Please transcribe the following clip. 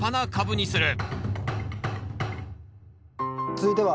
続いては？